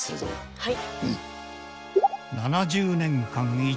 はい。